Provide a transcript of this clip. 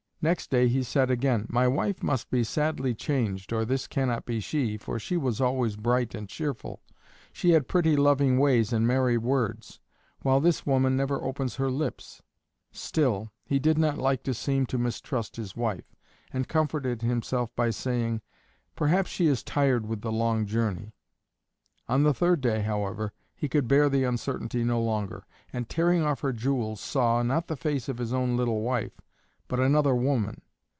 Next day he said again: "My wife must be sadly changed or this cannot be she, for she was always bright and cheerful. She had pretty loving ways and merry words, while this woman never opens her lips." Still, he did not like to seem to mistrust his wife, and comforted himself by saying, "Perhaps she is tired with the long journey." On the third day, however, he could bear the uncertainty no longer, and tearing off her jewels, saw, not the face of his own little wife, but another woman.